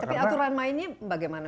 tapi aturan mainnya bagaimana